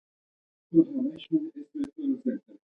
ازادي راډیو د روغتیا بدلونونه څارلي.